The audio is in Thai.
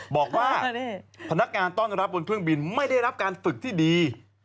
บอกว่าพนักงานต้อนรับบนเครื่องบินไม่ได้รับการฝึกที่ดี